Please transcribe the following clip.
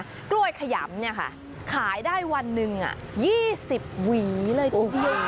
กล้วยขยำเนี่ยค่ะขายได้วันหนึ่ง๒๐หวีเลยทีเดียว